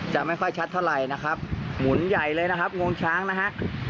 จะไม่ค่อยชัดเท่าไหร่นะครับหมุนใหญ่เลยนะครับงวงช้างนะฮะ